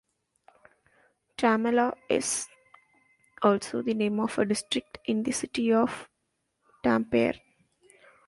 Tammela is also the name of a district in the city of Tampere.